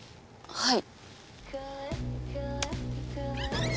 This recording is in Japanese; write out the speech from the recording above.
はい。